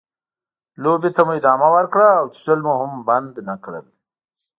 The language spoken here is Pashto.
لوبې ته مو ادامه ورکړه او څښل مو هم بند نه کړل.